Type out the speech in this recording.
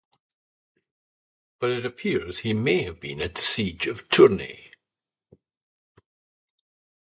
But it appears he may have been at the siege of Tournai.